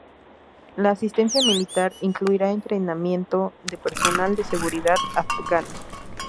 La asistencia militar incluirá entrenamiento de personal de seguridad afgano.